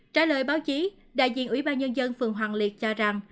trả lời báo chí đại diện ủy ban nhân dân phường hoàng liệt cho rằng